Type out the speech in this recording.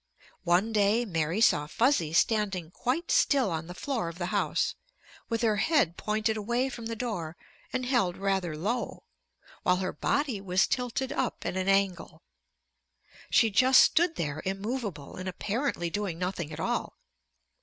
One day Mary saw Fuzzy standing quite still on the floor of the house, with her head pointed away from the door and held rather low, while her body was tilted up at an angle. She just stood there immovable and apparently doing nothing at all.